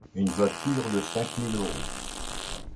Une voiture de cinq mille euros.